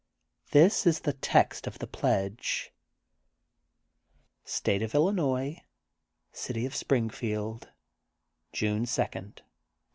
This is the text of the pledge: — State of Illinois City of Springfield, June 2, 2018.